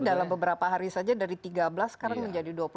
dalam beberapa hari saja dari tiga belas sekarang menjadi dua puluh